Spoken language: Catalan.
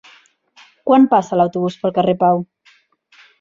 Quan passa l'autobús pel carrer Pau?